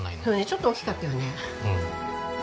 そうねちょっと大きかったよね。